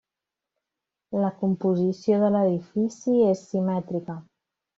La composició de l'edifici és simètrica.